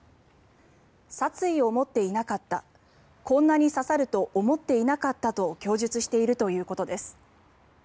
殺意を持っていなかったこんなに刺さると思っていなかったと供述しているということです。